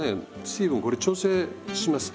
水分これ調整します。